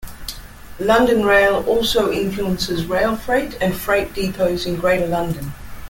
London Rail also influences rail freight and freight depots in Greater London.